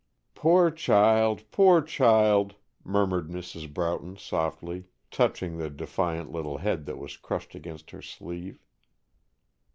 "Poor child, poor child," murmured Mrs. Broughton, softly, touching the defiant little head that was crushed against her sleeve.